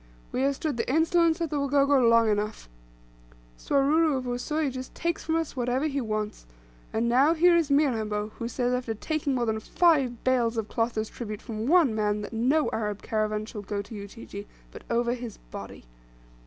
We have stood the insolence of the Wagogo long enough. Swaruru of Usui just takes from us whatever he wants; and now, here is Mirambo, who says, after taking more than five bales of cloth as tribute from one man, that no Arab caravan shall go to Ujiji, but over his body.